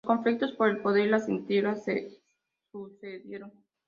Los conflictos por el poder y las intrigas se sucedieron.